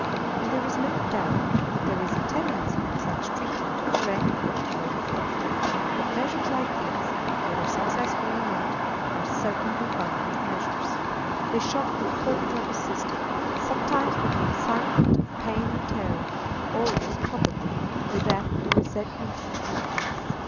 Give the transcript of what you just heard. And there is no doubt that there is a tendency in such treatment to correct or cure the fault. But measures like these, whether successful or not, are certainly violent measures. They shock the whole nervous system, sometimes with the excitement of pain and terror, and always, probably, with that of resentment and anger.